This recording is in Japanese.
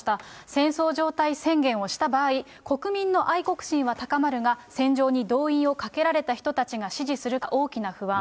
戦争状態宣言をした場合、国民の愛国心は高まるが、戦場に動員をかけられた人が支持するか、大きな不安。